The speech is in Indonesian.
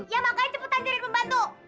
ya makanya cepetan jadi pembantu